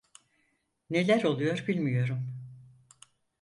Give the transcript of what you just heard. Neler oluyor bilmiyorum.